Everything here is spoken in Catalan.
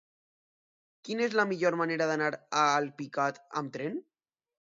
Quina és la millor manera d'anar a Alpicat amb tren?